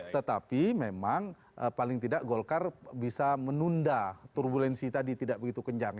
tetapi memang paling tidak golkar bisa menunda turbulensi tadi tidak begitu kencang